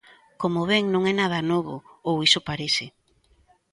Como ven, non é nada novo, ou iso parece.